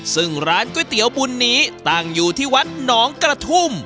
ซึ่งร้านก๋วยเตี๋ยวบุญนี้ตั้งอยู่ที่วัดหนองกระทุ่ม